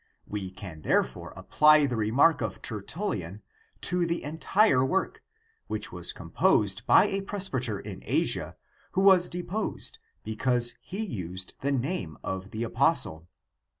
We can therefore apply the remark of Tertullian to the entire work, which was com posed by a presbyter in Asia who was deposed because he used the name of the apostle.